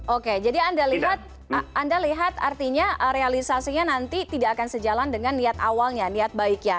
oke jadi anda lihat artinya realisasinya nanti tidak akan sejalan dengan niat awalnya niat baiknya